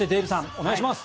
お願いします。